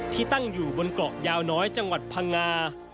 ที่ตั้งอยู่บนเกาะยาวน้อยจังหวัดพังงา